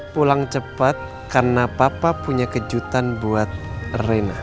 pulang cepat karena papa punya kejutan buat rena